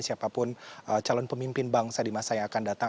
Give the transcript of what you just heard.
siapapun calon pemimpin bangsa di masa yang akan datang